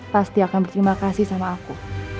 pasti akan berterima kasih sama aku